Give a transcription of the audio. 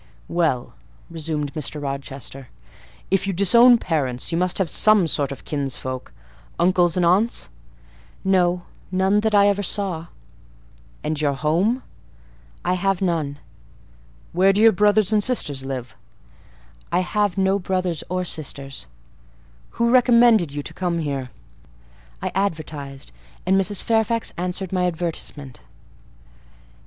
"Well," resumed Mr. Rochester, "if you disown parents, you must have some sort of kinsfolk: uncles and aunts?" "No; none that I ever saw." "And your home?" "I have none." "Where do your brothers and sisters live?" "I have no brothers or sisters." "Who recommended you to come here?" "I advertised, and Mrs. Fairfax answered my advertisement."